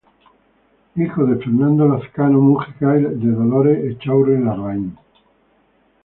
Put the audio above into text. Hijo de Fernando Lazcano Mujica y de Dolores Echaurren Larraín.